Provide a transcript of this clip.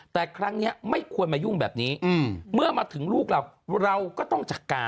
แต่ครั้งนี้ไม่ควรมายุ่งแบบนี้เมื่อมาถึงลูกเราเราก็ต้องจัดการ